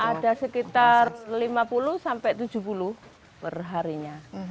ada sekitar lima puluh sampai tujuh puluh perharinya